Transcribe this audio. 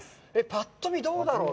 ぱっと見、どうだろう。